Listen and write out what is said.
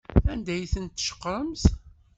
Anda ay ten-tceqremt?